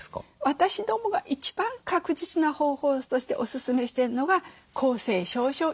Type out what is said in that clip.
私どもが一番確実な方法としておすすめしてるのが公正証書遺言です。